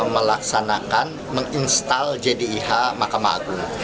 melaksanakan menginstal jdih mahkamah agung